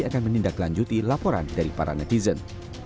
akan menindaklanjuti laporan dari para netizen